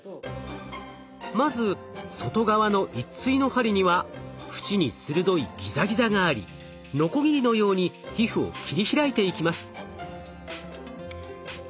まず外側の一対の針には縁に鋭いギザギザがありノコギリのように皮膚を切り開いていきます。